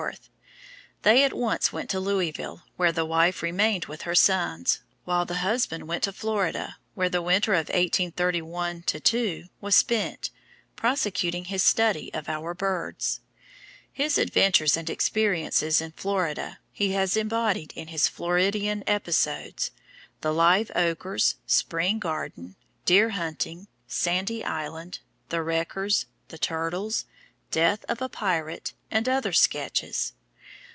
They at once went to Louisville where the wife remained with her sons, while the husband went to Florida where the winter of 1831 2 was spent, prosecuting his studies of our birds. His adventures and experiences in Florida, he has embodied in his Floridian Episodes, "The Live Oakers," "Spring Garden," "Deer Hunting," "Sandy Island," "The Wreckers," "The Turtles," "Death of a Pirate," and other sketches.